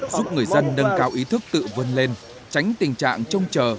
giúp người dân nâng cao ý thức tự vươn lên tránh tình trạng trông chờ